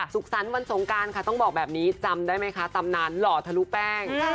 สุขสรรค์วันสงการค่ะต้องบอกแบบนี้จำได้ไหมคะตำนานหล่อทะลุแป้ง